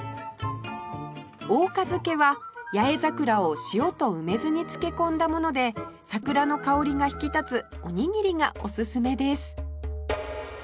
桜花漬は八重桜を塩と梅酢に漬け込んだもので桜の香りが引き立つおにぎりがおすすめです